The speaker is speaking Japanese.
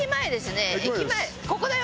ここだよ。